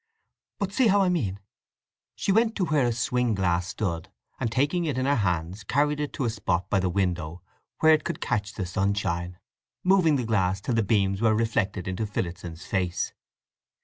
"But see how I mean." She went to where a swing glass stood, and taking it in her hands carried it to a spot by the window where it could catch the sunshine, moving the glass till the beams were reflected into Phillotson's face.